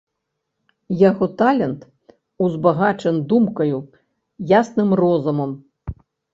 Яго талент узбагачан думкаю, ясным розумам.